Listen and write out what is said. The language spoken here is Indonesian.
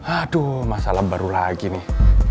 aduh masalah baru lagi nih